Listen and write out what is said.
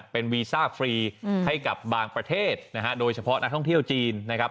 เป็นวีซ่าฟรีให้กับบางประเทศนะฮะโดยเฉพาะนักท่องเที่ยวจีนนะครับ